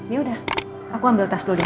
yaudah aku ambil tas dulu